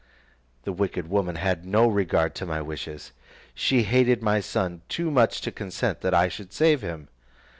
The wicked woman had no regard to my wishes; she hated my son too much to consent that I should save him.